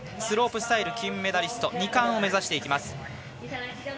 スロープスタイル金メダリスト２冠を目指していきます。